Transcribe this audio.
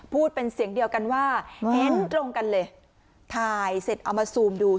พูดเป็นเสียงเดียวกันว่าเห็นตรงกันเลยถ่ายเสร็จเอามาซูมดู